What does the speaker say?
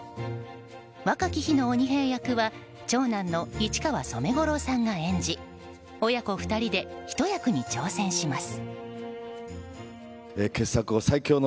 若き日の鬼平役は長男の市川染五郎さんが演じ親子２人で一役に挑戦します。